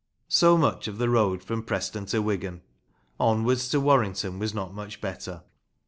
So much of the road from Preston to Wigan. Onwards to Warrington was not much better.